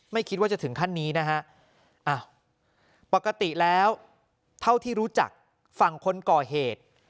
ไม่คิดว่าจะถึงขั้นนี้นะฮะอ้าวปกติแล้วเท่าที่รู้จักฝั่งคนก่อเหตุ